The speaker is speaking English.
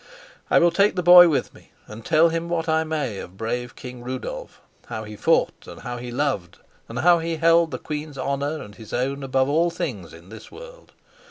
I will take the boy with me and tell him what I may of brave King Rudolf, how he fought and how he loved, and how he held the queen's honor and his own above all things in this world.